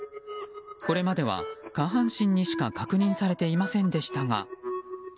これまでは下半身にしか確認されていませんでしたが。